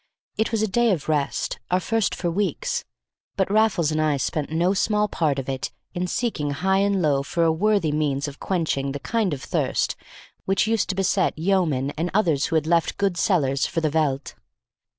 It was a day of rest, our first for weeks, but Raffles and I spent no small part of it in seeking high and low for a worthy means of quenching the kind of thirst which used to beset Yeomen and others who had left good cellars for the veldt.